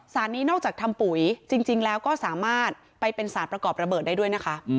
นี้นอกจากทำปุ๋ยจริงแล้วก็สามารถไปเป็นสารประกอบระเบิดได้ด้วยนะคะ